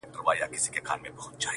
چي غزل مي د پرهر ژبه ویله,